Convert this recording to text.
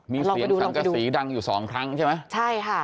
มีเสียงสังกษีดังอยู่สองครั้งใช่ไหมใช่ค่ะ